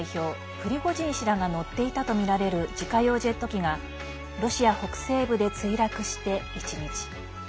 プリゴジン氏が乗っていたとみられる自家用ジェット機がロシア北西部で墜落して１日。